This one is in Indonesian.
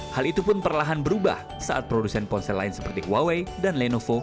hal itu pun perlahan berubah saat produsen ponsel lain seperti huawei dan lenovo